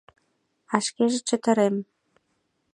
А шкеже чытырем.